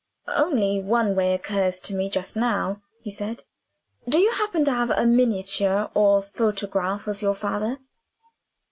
"Only one way occurs to me just now," he said. "Do you happen to have a miniature or a photograph of your father?"